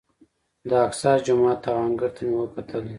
د اقصی جومات او انګړ ته مې وکتلې.